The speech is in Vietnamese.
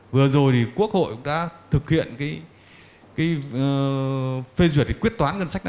vừa rồi thì quốc hội đã thực hiện cái phê duyệt để quyết toán ngân sách năm hai nghìn một mươi tám